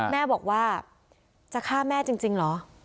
แม่บอกว่าจะฆ่าแม่จริงเหรอ